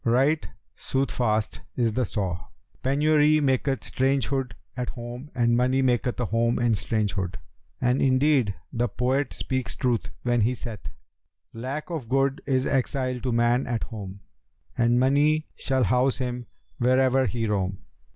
Right soothfast is the saw, 'Penury maketh strangerhood at home and money maketh a home in strangerhood'; and indeed the poet speaks truth when he saith, 'Lack of good is exile to man at home; * And money shall house him where'er he roam.'